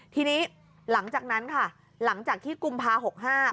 ทีนี้หลังจากนั้นค่ะหลังจากที่กุมภา๖๕